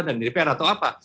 dan dpr atau apa